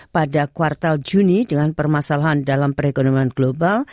pada kuartal juni dengan permasalahan dalam perekonomian global